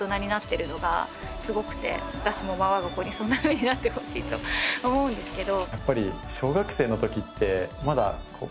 私も我が子にそんなふうになってほしいと思うんですけど。